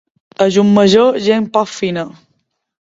A Llucmajor, gent poc fina.